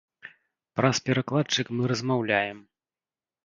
Праз перакладчык мы размаўляем.